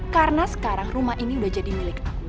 karena sekarang rumah ini udah jadi milik aku